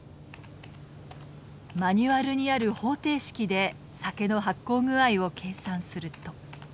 マニュアルにある方程式で酒の発酵具合を計算すると。